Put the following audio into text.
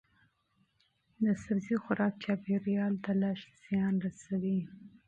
د سبزی خوراک چاپیریال ته لږ زیان رسوي.